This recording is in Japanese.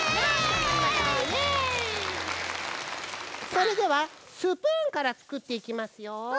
それではスプーンからつくっていきますよ。